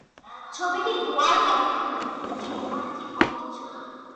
ছবিটি গোয়ার পটভূমিতে, একটি রোমান্টিক কমেডি ছবি।